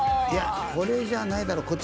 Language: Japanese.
いやこれじゃないだろ。